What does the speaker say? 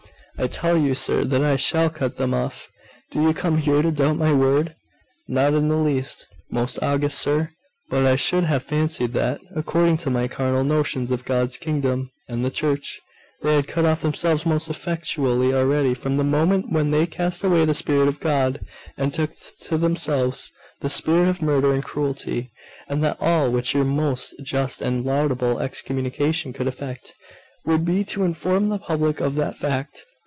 'I tell you, sir, that I shall cut them off! Do you come here to doubt my word?' 'Not in the least, most august sir. But I should have fancied that, according to my carnal notions of God's Kingdom and The Church, they had cut off themselves most effectually already, from the moment when they cast away the Spirit of God, and took to themselves the spirit of murder and cruelty; and that all which your most just and laudable excommunication could effect, would be to inform the public of that fact.